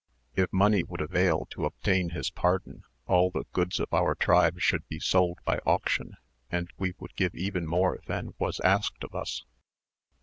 If money would avail to obtain his pardon, all the goods of our tribe should be sold by auction, and we would give even more than was asked of us.